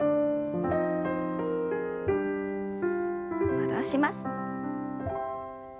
戻します。